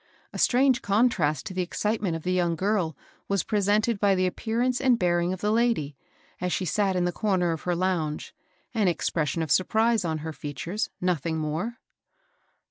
A strange contrast to the excitement of the young girl was presented by the appearance and bearing of the lady, as she sat in the comer of her 252 MABEL BOSS. loange, an expression of surprise on her feat ures, nothing more.